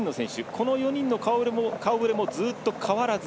この４人の顔ぶれずっと変わらず。